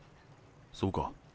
そうか。